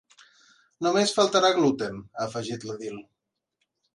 “Només faltarà gluten”, ha afegit l’edil.